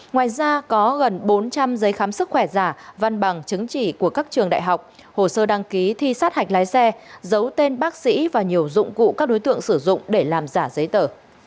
ngoài ra có gần bốn trăm linh giấy khám sức khỏe giả văn bằng chứng chỉ của các trường đại học hồ sơ đăng ký thi sát hạch lái xe giấu tên bác sĩ và nhiều dụng cụ các đối tượng sử dụng để làm giả giấy tờ